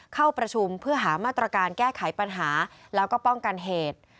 เข้าประชุมเพื่อหามาตรการแก้ไขปัญหาแล้วก็ป้องกันเหตุ